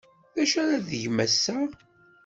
D acu ara tgem ass-a?